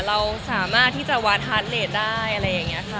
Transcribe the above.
เราสามารถที่จะวัดฮาร์ดเลสได้อะไรอย่างนี้ค่ะ